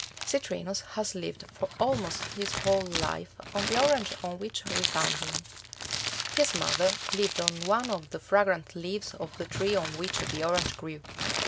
Citrinus has lived for almost his whole life on the orange on which we found him. His mother lived on one of the fragrant leaves of the tree on which the orange grew.